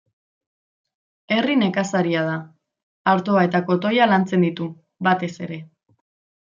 Herri nekazaria da; artoa eta kotoia lantzen ditu, batez ere.